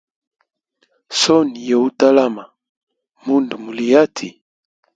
Soni yo utalama munda muli hati.